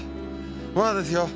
まだですよ。